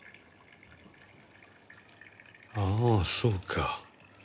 ああそうか。